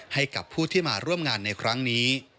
ให้กับผู้ที่มาร่วมงานในครั้งนี้